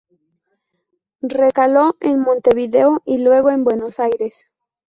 Recaló en Montevideo y luego en Buenos Aires.